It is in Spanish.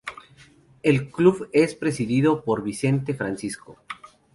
El club es presidido por Vicente Fco.